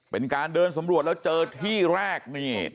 เป็นการเดินสำรวจแล้วเจอที่แรกนี่